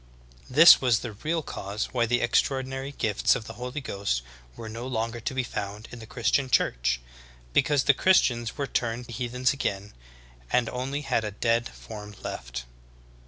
This was the real cause why the extraor dinary gifts of the Holy Ghost were no longer to be found in the Christian church — ^because the Christians were turned heathens again, and only had a dead form left."